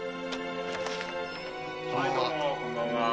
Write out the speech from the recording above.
はいどうもこんばんは。